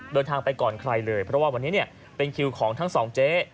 เดินทางไปก่อนใครเลยเพราะว่าวันนี้เป็นคิวของทั้งสองเจ๊